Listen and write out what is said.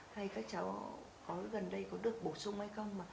hay các cháu có gần đây có được bổ sung hay không